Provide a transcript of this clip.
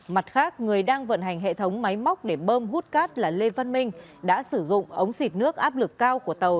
mặt khác người đang vận hành hệ thống máy móc để bơm hút cát là lê văn minh đã sử dụng ống xịt nước áp lực cao của tàu